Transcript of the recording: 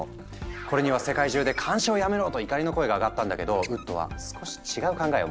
これには世界中で監視をやめろと怒りの声が上がったんだけどウッドは少し違う考えを持っていた。